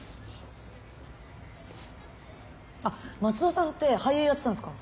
あっ松戸さんって俳優やってたんすか？